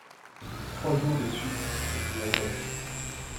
Trois jours de suite! s’écria-t-elle.